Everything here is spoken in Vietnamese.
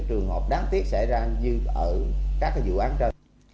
trường hợp đáng tiếc xảy ra như ở các cái vụ án trên